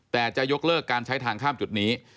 แต่จะยกเลิกการใช้ทางข้ามจุดนี้